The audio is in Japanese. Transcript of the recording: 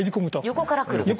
横から来る？